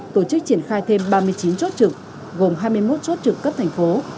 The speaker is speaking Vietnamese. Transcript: tổ chức triển khai thêm ba mươi chín chốt trực gồm hai mươi một chốt trực cấp thành phố